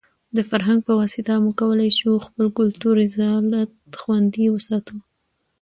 د فرهنګ په واسطه موږ کولای شو خپل کلتوري اصالت خوندي وساتو.